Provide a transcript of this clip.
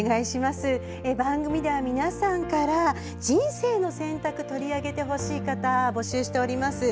番組では、皆さんから「人生の選択」取り上げてほしい方を募集しています。